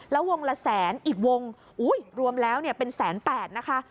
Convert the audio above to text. แล้ววงละแสนอีกวงโอ้โหยยยรวมแล้วเป็น๑๐๘๐๐๐บาทนะคะ